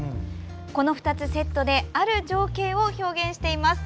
この２つ、セットである情景を表現しています。